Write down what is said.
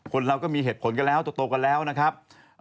คนเราก็มีเหตุผลกันแล้วโตกันแล้วนะครับ